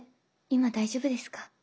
今大丈夫ですか？